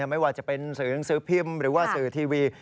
ไม่ว่าจะเป็นสื่อหนังสือพิมพ์หรือว่าสื่อทีวี